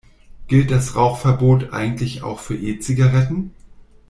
Gilt das Rauchverbot eigentlich auch für E-Zigaretten?